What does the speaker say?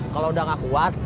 kalau udah gak kuat